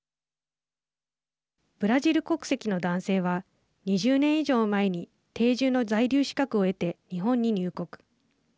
ブラジル国籍の男性は２０年以上前に定住の在留資格を得て日本に入国。